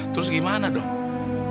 terus gimana dong